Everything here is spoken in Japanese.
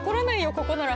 ここなら。